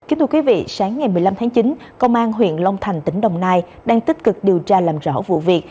kính thưa quý vị sáng ngày một mươi năm tháng chín công an huyện long thành tỉnh đồng nai đang tích cực điều tra làm rõ vụ việc